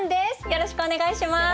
よろしくお願いします。